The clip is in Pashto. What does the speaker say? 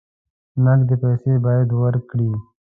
نقدې پیسې باید ورکړې.